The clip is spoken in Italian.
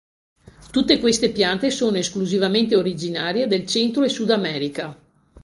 Tutte queste piante sono esclusivamente originarie del centro e Sud America.